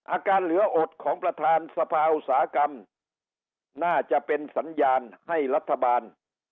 อาการเหลืออดของประธานสภาอุตสาหกรรมน่าจะเป็นสัญญาณให้รัฐบาล